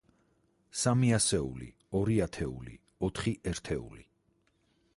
სამი ასეული, ორი ათეული, ოთხი ერთეული.